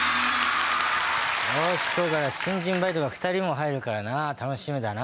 今日から新人バイトが２人も入るからな楽しみだな。